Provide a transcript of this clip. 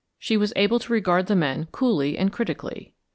She was able to regard the men coolly and critically.